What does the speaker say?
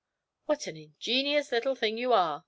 'What an ingenious little thing you are!'